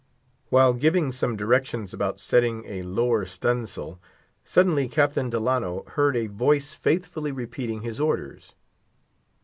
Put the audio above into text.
While giving some directions about setting a lower stu'n' sail, suddenly Captain Delano heard a voice faithfully repeating his orders.